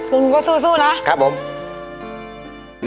ลุงลูกก็สู้นะครับผมค่ะ